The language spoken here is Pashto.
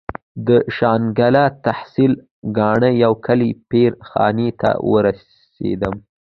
د شانګله تحصيل کاڼه يو کلي پير خاني ته ورسېدم.